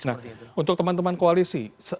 nah untuk teman teman koalisi